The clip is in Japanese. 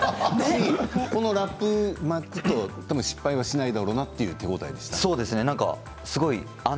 このラップ失敗はしないんだろうなという手応えでしたが。